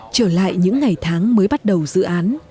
trở lại những ngày tháng mới bắt đầu dự án